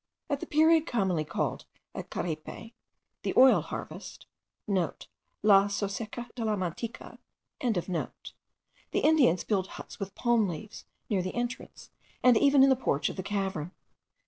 At the period commonly called, at Caripe, the oil harvest,* (* La cosecha de la manteca.) the Indians build huts with palm leaves, near the entrance, and even in the porch of the cavern.